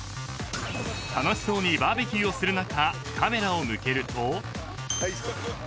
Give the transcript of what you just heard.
［楽しそうにバーベキューをする中カメラを向けると］